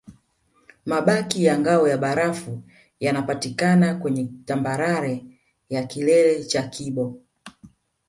Mabaki ya ngao ya barafu yanapatikana kwenye tambarare ya kilele cha kibo